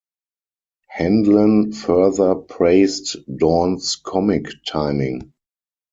Handlen further praised Dorn's comic timing.